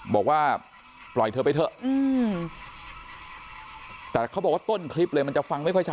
บอกว่าปล่อยเธอไปเถอะแต่เขาบอกว่าต้นคลิปเลยมันจะฟังไม่ค่อยชัด